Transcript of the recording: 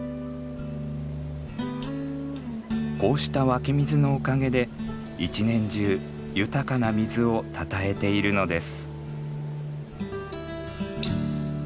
こうした湧き水のおかげで一年中豊かな水をたたえているのです。